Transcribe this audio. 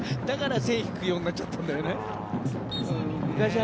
だから、線を引くようになっちゃったんだよね。